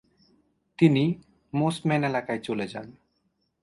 তিনি মোসম্যান এলাকায় চলে যান।